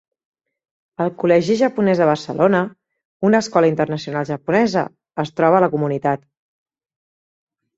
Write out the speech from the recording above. El Col·legi Japonès de Barcelona, una escola internacional japonesa, es troba a la comunitat.